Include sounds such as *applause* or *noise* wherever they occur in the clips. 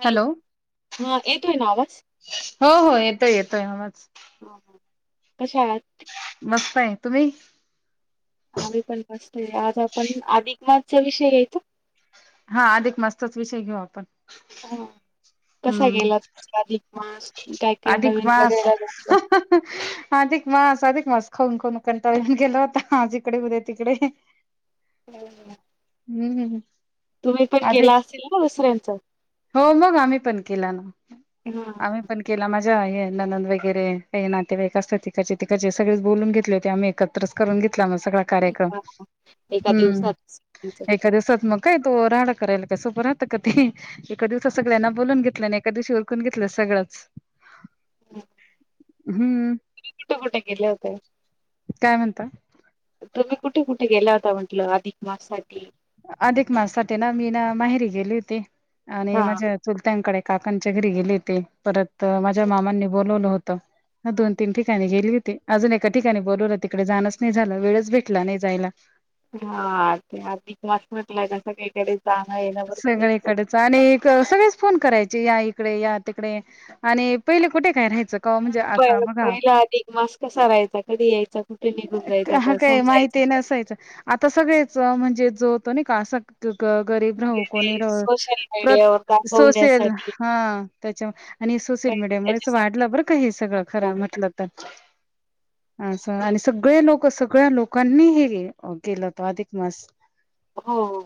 Hello हा येतो आहे ना आवाज हो हो येतोय येतोय आवाज कशा आहात? मस्त आहे तुम्ही? आम्ही पण मस्तय आज आपण अधिकमासचा विषय घ्यायचा? हा अधिक मासचाच विषय घेऊ आपण. हा कसा हम्म गेला तुमचा आधी अधिक मास भेटलं? अधिक मास अधिक मास खाऊन खाऊन कंटाळा येऊन गेला होता आज इकडे उदया तिकडे *unintelligible* हम्म तुम्ही पण अधिक गेला असेल ना उसरण *inaudible* हो मग आम्ही पण केला ना हा हा, आम्ही पण केला माझ हे ननंद वगैरे हे नातेवाईक असतते इकडचे तिकडेच सगळेच बोलून घेतले होते आम्ही एकत्रच करून घेतला मास सगळा कार्यक्रम हा. एका हू दिवसात दुसऱ्यांचं. एका दिवसात मग काय तो राडा करायला काय सोप राहता का ते एका दिवसात सगळ्यांना बोलून घेतल न एका दिवशी उरकून घेतलं सगळंच हं. हम्म कुठे कुठे गेले होते? काय म्हणता तुम्ही कुठं कुठ गेला होतं म्हणटलं अधिक माससाठी अधिक माससाठी ना मी ना माहेरी गेली होते. आणि हा माझ्या चुलत्यांकडे काकांच्या घरी गेले होते परत त माझ्या मामांनी बोलवलं होत त म दोन तीन ठिकाणी गेली होती अजून एका ठिकाणी बोलवलं तिकडे जाणच नाही झालं वेळच भेटला नाही जायला. हा ते अधिक मास म्हटलंय का सगळीकडे जाणं येणं भरपूर असतं सगळीकडेच आणि सगळेच फोन करायचे या तडे या तिकडे आणि पहिले कुठे काय राहायचं. का म्हणजे प आता बघा पहिला अधिक मास कसा राहायचा कधी यायचा कुठे निघून जायचा हा का काय समजायच माहिती नसायचं. आता सगळेच अ, म्हणजे जो होतो कारीब राू कोणी रा सोशल प्र मीडियावर सोशल दाखवण्यासाठी हा त्याच्या आणि सोशल काही मीडियामुळेच त्याच्यासाठी वाढलं बरं का हे सगळं हो खरं म्हटलं तर असं आणि सगळे लोक सगळ्या लोकांनी हे केलं होत अधिक मास. हो हो.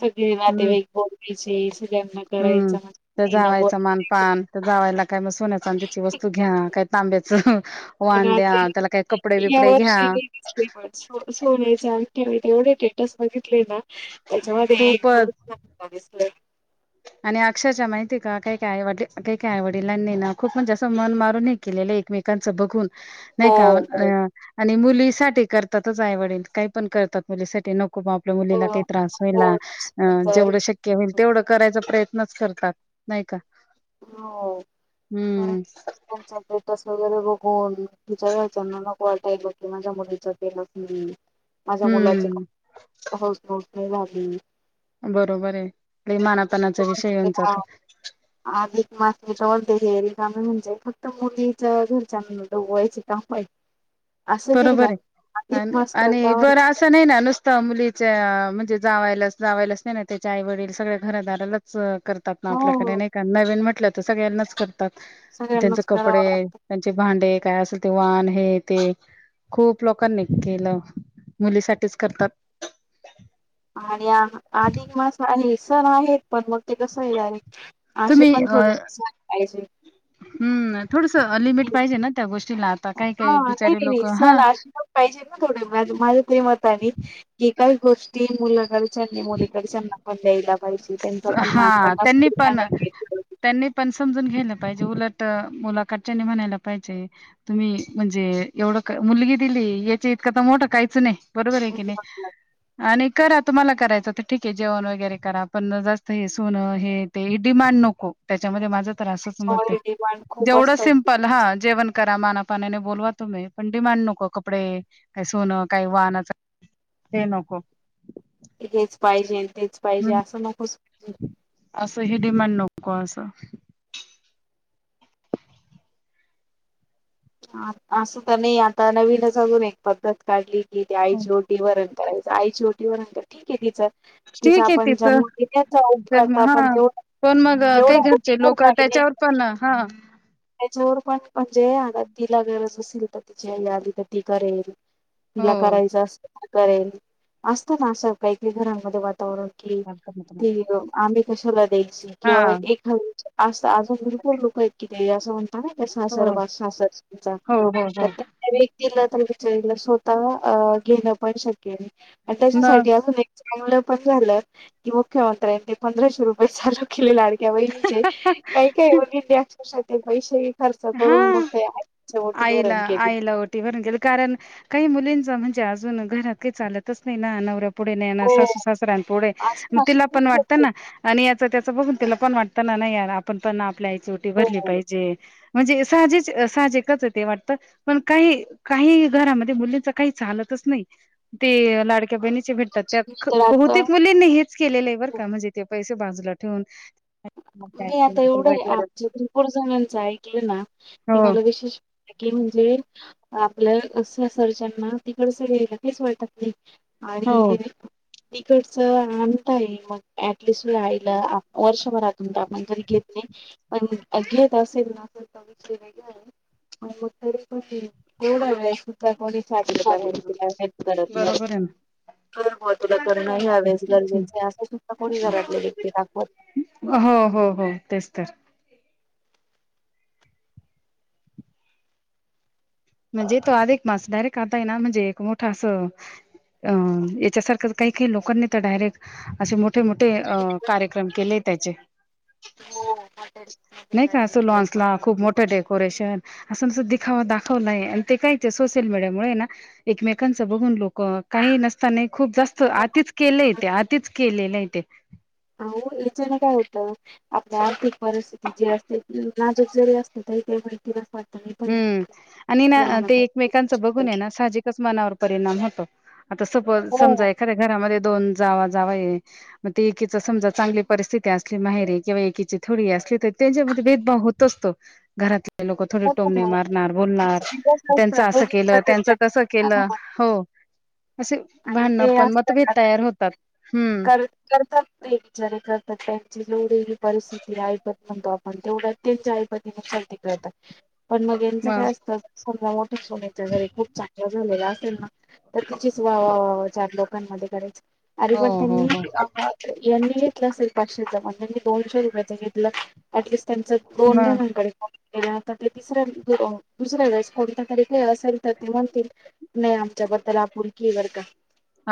सगळे हम्म नातेवाईक बोलायचे सगळ्यांना हम्म करायचं तर म जावायचा बोला. मानपान तर जावायला काय मग सोन्याच अ त्या्याची वस्तू घ्या काय तांब्याच पण वाण द्या आता त्याला काय कपडे या बिपडे घ्या. वर्षी नाही दिसले पण सो सोन्याच्या अंगठ्यावर एवढे स्टेटस वग. ना त्याच्यामध्ये एक खूपच दोन दिस. आणि अक्षरशः माहितीय काही कायड काही काय वडिलांनी ना खूप म्हणजे असं मन मारूनही केलेलं एकमेकांचं बघून हो नाही का हो आणि मुलीसाठी करतातच आवडील काही पण करतात मुलीसाठी न आपल्या मुलीला हो काही त्रास होला हो जेवढं शक्य होईल तेवढं. करायचा प्रयत्नच करतात नाही का? हम्म. त्यां पटस वगैरे बघून तुच्या वरच्यांना लक वाटाय ब की माझ्या मुलीचा पेला माझ्या मुलाचे हम्म हो हो.. हो बाबी. बरोबर आहे. आणि मानापनाचा विषय येऊन जातो. अधिक मास मी तर म्हणते *unintelligible* म्हणजे फक्त मुलीच्या घरच्यांनी डुबवायचं काम पाहिजे. बरोबर आहे आणि आणि करता बरं म्हणजे असं नाही ना नुसत मुलीचं जे जावायलाच जावायच नाही ना त्याच्या आई वडील सगळ्या घरदारालाच अं करतात ना आपल्याकडे हो नाही का नवीन म्हट तर सगळ्यांनाच कर. त्यांचे सगळ्यांनाच कपडे, करावं लागतं त्यांचे भांडे. काय असेल ते वान हे ते खूप लोकांनी केलं, मुलीसाठीच करतात. आणि अधिक मास आहे. सण आहे. पण मग ते कसं हे आहे अशे तुम्ही पण अ, थोडेसे सण पाहिजे. हम्म. थोडस लिमिट पाहिजे ना त्या गोष्टीला आता काही हा काही बिचारे नाही नाही लोक हा सण असले पाहिजेत ना थोडे माझे माझे ते मताने की काही गोष्टी मुलाकडच्यांनी मुलीकडच्यांना पण द्यायला पाहिजे त्यांचा पण हा मानधन त्यांनी असतो का पण नाही त्यांनी पण समजून घेणं पाहिजे उलट मुला कडच्यांने म्हणायला पाहिजे तुम्ही म्हणजे एवढं क मुलगी दिली याच्या इतकं तर मोठं काहीच नाही. बरोबर आहे की नाही आणि करा तुम्हाला करायचं तर ठीक आहे. जेवण वगैरे करा पण जास तं आहे सोना हे ते डिमांड नको त्याच्या मध्ये माझं तर असच मरते, सॉरी डिमांड खूप जेवढं असतात सिंपल हा जेवण करा माना पाहूणेने बोलवा तुम्ही पण डिमांड नको कपडे, काही सोनं, काही वाहनाचा ते नको. हेच पाहिजे तेच पाहिजे असं नकोस. *unintelligible* असं हे डिमांड नको असं. हा असं तर नाही, आता नवीनच अजून एक पद्धत काढली इथे आईची रोटी भरा तळायचा आईची ओटी भरायची ठीक आहे तिचा ठीक आहे आपण तिथं जन्म दिल्याचा उपकार जन्म, तर आपण हा तेवढा पण मग तेवढा काही घरचे ओटी लोक भरणारी नाही त्याच्यावर पण हा. पट अच्चे आगत तिला गरज असेल तर तिची आई आली तर ती करेल. तिला हो. करायचं असत. करेल, असतं ना असं काही काही घरांमध्ये वातावरण. की ती आम्ही कशाला दे हा किंवा हो एक हाय असं अजून भरपुर लोक आहेत कि ते असं म्हणतात ना ते हो सासरवास सासर च्या हो हो प्रत्येक वेळी तिला तर बिचारीला स्वतः अ घेणं पण श क्य आणि मग त्याच्यासाठी अजून एक चांगलं पण झालं की मुख्यमंत्र्यांनी पंधराशे रुपये चालू केल लाड क्या बहिणीचे काय काय *unintelligible* ते पैशे खर्चा करून हा मग तयार आईला आईला ओटी भरून केलं कारण काही मुलींचा म्हंजे आजून घरांत काही चालतच नाहीं ना नवरा पुढे नाई येणार हो सासू सासऱ्यां पुढे म असे असे तिला खूप पण लोक वाटतं आहेत. ना आणि यांत त त्याच बघून तिला पण वाटतं ना, नाही यार आपणं पण आपल्या आई ओटी हो भरली हो पाहिज. म्हंजे साहजि सहाजिकच ते वाटतं पण कांहीं कांहीं घरांमध्ये मुलींच कांहीं चालतच नाहीं ते लाडक्या बहिणीच चे भेटतात ते मी अख तर आता बहुतेक मुलींनी हेच केलेलं आहे बरं हो, का म्हंजे ते पैसे बाजूला ठेवून मग काय मी आता एवढे आहे वगैरे आमच्या भरपूर झनांनच एकलं ते ना ते हो मला विशेष *unintelligible* म्हंजे आपल्याला अ सासरच्यांना तिकडचं गेलं कि च वैतागले हो आणि *unintelligible* तिकडचं आणता हाये मग ॲटलिस्ट तुझ्या आईला वर्ष घरातून *unintelligible* घेत नाही पण घेत असेल ना तर *unintelligible* पण कोणी साजरं करायल की माहिती काय करत नाही बरोबर आहे कर बॉ तुला करणं या वेळेस ना गरजेचे असं सुद्धा कोणी घरातले व्यक्ती दाखवत हो हो हो तेच तर. म्हंजे तो आधिक मास डायरेक्ट आता आहे ना म्हणजे एक मोठा असं अ अ याच्यासारखं काही काही लोकांनी तर डायरेक्ट अ शे मोठ - मोठे मोठे नाही. कार्यक्रम केले त्याचे हो हॉटेल्स मध्ये नाही का असं काहीतरी लॉन्सला खूप मोठ डेकोरेशन असं दिखावा दाख हो नाही आणि ते कांहीच सोसल मीडिया मुळे ना एकमेकांच बघून लोक काही नस त्यांनी खूप जास्त आतिच केलेय तेे आतिच केलेलय ते आहो याच्या न काय होत आपल्या आर्थिक परिस्थिती जी असते नाजूक जरी असते तरी काही *unintelligible* हम्म आणि ना ते एकमेकांच लागतं. बघून है ना साहजिकच मनावर परिणाम होतो, आता सपोज हो समजा एकाद्या घरांमध्ये दोन जावा जावाई आहे मग, एकीच समजा चांगली परिस्थिती असली माहेरी किंवा एकीची थोडी असली तर, त्यांच्यामध्ये भेदभाव होत असतो घरातील लोकं हो टोमणे ना मारणार, बोलणार, बिकॉज त्यांच असतात असं दोघी केलं त्यांच प्रकारच्या तसं केलं हो असे आणि भांडणं ते पण मतभेद असतातन तयार होतात हम्म कर करतात ते जर करतात ते. *unintelligible* परिस्थिती ऐपत म्हणतो आपण. पण तेवढ्या त्यांच्या ऐपतीनुसार ते करतात पण मग यांचं काय असतं हो. सुनेच्या घरी खूप चांगल झालेलं असेल ना तर तिची हो चा दोघांमध्ये करायचं. अरे हो पण हो त्यांनी हो अ यांनी घेतलं असेल पाचशेच म्हणून मी दोनशे रुपयाचं घेतलं ऍटलिस्ट त्यांच दोन मग दोन *unintelligible* आता ते तिसऱ्या दुसऱ्या वेळेस कोणत्या तरी का असेल तर ते म्हणतील नाही आमच्याबद्दल की बरं का,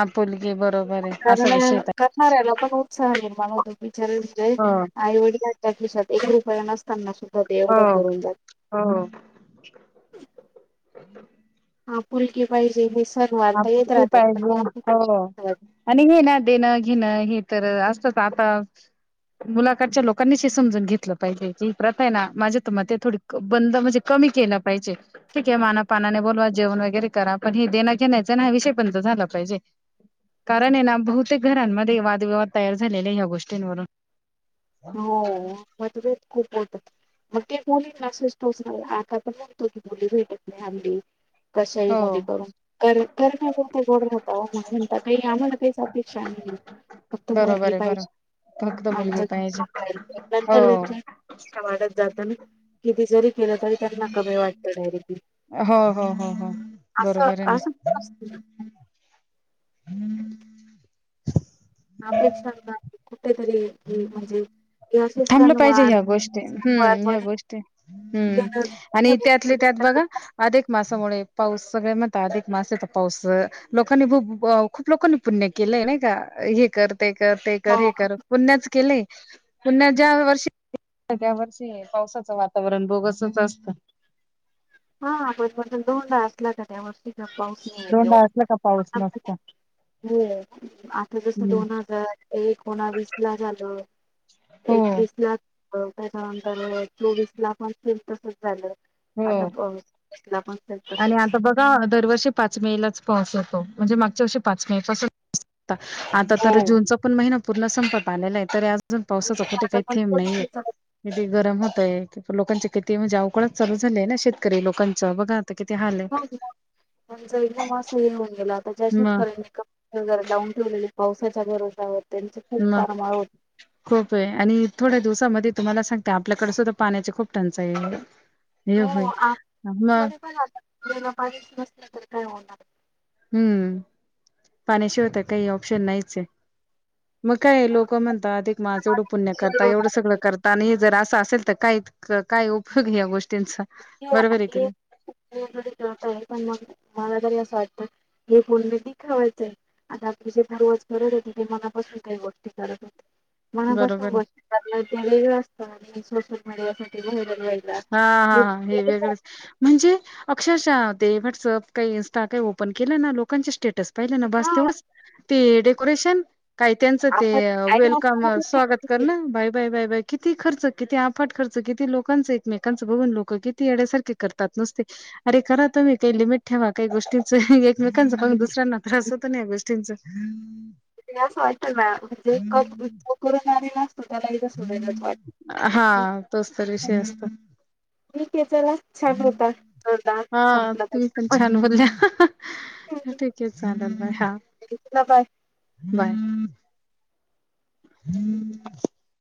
आपुलकी बरोबर आहे असा कारण विषय करणारे लोकं *unintelligible* छान हो *unintelligible* आई वडिल ताटलीसाठी एका रुपया नसताना सु हा हा *unintelligible* हा फुलकी पाहिजेस भेस हा पण तू पाहिजे हो आपुलकी आणि हे ना देणं घेणं हे तर असतच आता मुलाकाळच्याने लोकांनी समजून घेतलं पाहिजे की प्रथा आहे ना माझ्या तर मते थोडी बंद म्हणजे कमी केलं पाहिजे ठीक आहे माना पानाने बोलवा जेवण वगैरे करा पण हे देण घेण्याचा ना हा विषय बंद झाला पाहिजे, कारण हे ना बहुतेक घरांमध्ये वादविवाद तयार झालेले ह्या गोष्टींवरून हो मतभेत खूप होतात. मग ते मुलींना *unintelligible* मुली भेटत नाही हल्ली कशाही हो मुली करून, करण्या पुरते गोड राहता म्हणणता काही आम्हाला काहीच अपेक्षा नाही फक्त मुलगी बरोबर आहे बरोबर फक्त पाहिजे आमच मुलगी पाहिजे हो नंतर त्यांच्या अपेक्षा वाढत जाता ना किती जरी केलं तरी त्यांना कमी वाटतं डायरेक्ट हो हो हो हो असं बरोबर आहे असं ना असत अपेक्षा कुठेतरी म्हणजे हे असे थांबलं पाहिजे सणवार ह्या गोष्टी, हम्म, सणवार ह्या गोष्टी, ह्या हम्म आणि गोष्टी त्यातले त्यात बघा अधिक मास त्यामुळे पाऊस सगळ म्हणता अधिक मासाचा पाऊस, लोकांनी, खूप लोकांनी पुण्य केलंय नाही का? हे कर ते कर, ते हो कर, हे कर, पुण्याच केलंय. पुनण्यात ज्या वर्षी त्या वर्षी पावसाचं वातावरण बोगसच असतं. हा *unintelligible* धोडा असला का त्यावर्षी पाऊस नाही येत दोनदा एवढा असलं का पाऊस आ नसतो हो आता जस हम्म दोन हजार एकोणावीस ला झालं हो एकवीसला *unintelligible* तर चोवीस ला पण सेम तसच झालं. आता हो. ला पण आणि तसच आता बघा दरवर्षी पाच मे लाच पाऊस येतो. म्हणजे मागच्या वर्षी पाच मे पासून ता आता हो तर जूनचा पण महिना पूर्ण संपत आलेला आहे तर आजून अजून पावसाचा कुठे आता काही पण थेंब नाहीये किेती गरम होतय तर लोकांचे किती अवकाळ्या चालू झालेय ना शेतकरी लोकांचं बघा किती हाल आहे म्हणजे मास हि होऊन गेला *unintelligible* म जरा लावून ठेवलेले पावसाच्या भरवशावर मग खूप आहे आणि थोड्या दिवसामध्ये तुम्हाला सांगते ते आपल्याकडे सुद्धा पाण्याची खूप टंचाई हे होईल हो मग बर पण आता सम्याय हम्म पाण्याशिवाय काही ऑप्शन नाहीच आहे मग काय लोक म्हणतात एक माझं एवढं पुण्य करता एवढं सगळं करत आणि जर असेल तर काय काय उपयोग या गोष्टींचा हे बरोबर की आहे नाही खरी कळत आहे पण मग मला अस वाटतं हे पणबी खावायचंय आताी जेथवाज करत होते ते मनापासून काही गोष्टी करत होते. बरोबर मनापासून आहे. बसात ते वेगळं असतं ना सोशल मीडियावर हा हा हा हे *unintelligible* म्हणजे अक्षरशः ते इन्स्टा व्हाट्सअप ओपन करणाऱ्या लोकांचे स्टेटस पाहिले ना बस हा तेवढंच ते डेकोरेशन काय त्यांचं ते आपण वेलकम स्वागत कर ना बाय बाय बाय बाय किती खर्च किती आफट खर्च किती ते लोकांच एकमेकाच बघून लोक किती येड्यासारखे करतात नुसते अरे करा तुम्ही काही लिमिट ठेवा काही गोष्टींच लोकांचं पाहून दुसऱ्यांना त्रास होतो नाही गोष्टींचा *unintelligible* एकदा सोडायलाच हा वाटत तोच तर विषय असतो ठीक आहे चला छान होता संपला हा तुम्ही पण छान बोलल्या ठीक आहे चालल चला बाय. बाय